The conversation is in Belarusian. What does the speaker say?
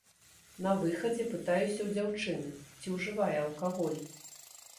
На выхадзе пытаюся ў дзяўчыны, ці ўжывае алкаголь.